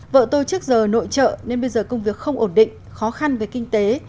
vợ tôi trước giờ nội trợ nên bây giờ công việc không ổn định khó khăn về kinh tế